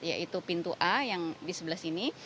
yaitu pintu a yang di sebelah sini